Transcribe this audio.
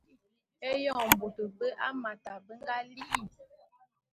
Eyon bôt bé Hamata be nga li'i.